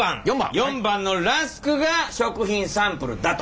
４番のラスクが食品サンプルだと。